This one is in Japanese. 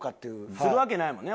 するわけないもんね